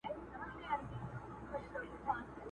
ګیدړ سمدستي پنیر ته ورحمله کړه!.